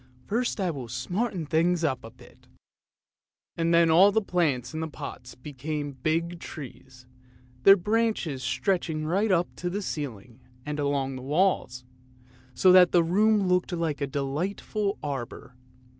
" First I will smarten things up a 349 350 ANDERSEN'S FAIRY TALES bit," and then all the plants in pots became big trees, with their branches stretching right up to the ceiling and along the walls, so that the room looked like a delightful arbour.